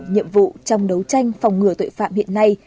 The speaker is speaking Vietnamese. nhiệm vụ trong đấu tranh phòng ngừa tội phạm hiện nay